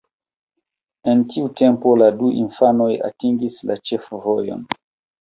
En tiu tempo la du infanoj atingis la ĉefvojon.